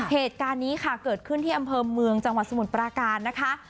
เหตุการณ์นี้ค่ะเกิดขึ้นที่อำเภอเมืองจังหวัดสมุทรปราการนะคะ